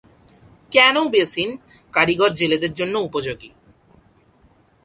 Canoe বেসিন কারিগর জেলেদের জন্য উপযোগী।